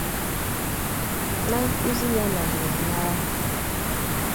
Na nkụzi ya na mmemme ahụ